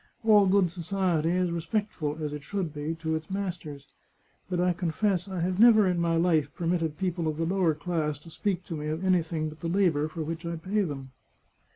All good society is respect ful, as it should be, to its masters ; but I confess I have never in my life permitted people of the lower class to speak to me of anything but the labour for which I pay them."